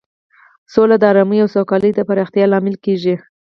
سوله د ارامۍ او سوکالۍ د پراختیا لامل کیږي.